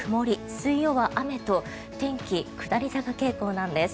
水曜は雨と天気下り坂傾向なんです。